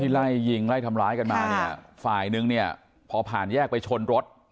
ในยิงไล่ทำร้ายกันมาฝ่ายหนึ่งพอผ่านแยกไปชนรถ